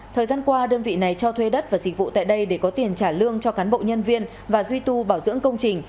thời gian qua đơn vị này cho thuê đất và dịch vụ tại đây để có tiền trả lương cho cán bộ nhân viên và duy tu bảo dưỡng công trình